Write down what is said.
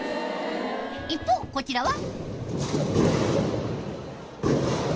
一方こちらは。